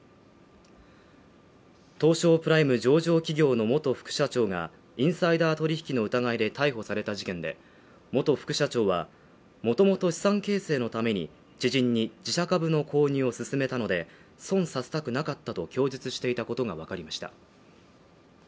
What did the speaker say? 東証プライム上場企業の元副社長がインサイダー取引の疑いで逮捕された事件で元副社長は、もともと資産形成のために、知人に自社株の購入をすすめたので損させたくなかったと供述していたことがわかりました。